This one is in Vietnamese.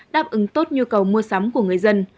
đáp ứng tốt nhu cầu mua sắm của người dân